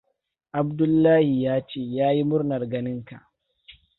Abdullahi yace yayi murnar ganin ka.